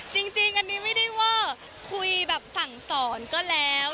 จริงอันนี้ไม่ได้เวอร์คุยแบบสั่งสอนก็แล้ว